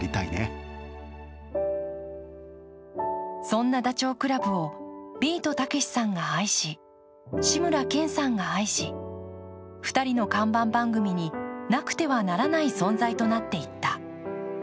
そんなダチョウ倶楽部をビートたけしさんが愛し、志村けんさんが愛し、２人の看板番組になくてはならない存在となっていった。